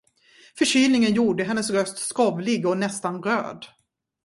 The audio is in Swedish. Förkylningen gjorde hennes röst skrovlig och näsan röd.